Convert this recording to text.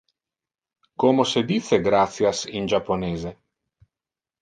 Como se dice "gratias" in japonese?